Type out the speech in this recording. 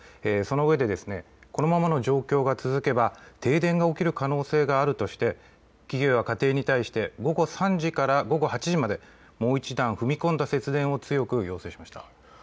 そのうえでこのままの状況が続けば停電が起きる可能性があるとして企業や家庭に対して午後３時から午後８時までもう一段踏み込んだ節電を強く要請しました。